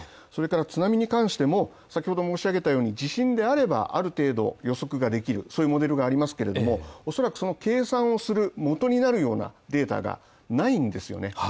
それから津波に関しても先ほど申し上げたように地震であればある程度予測ができる、そういうモデルがありますけれども恐らくそういう計算をする元になるようなデータがないんですよね。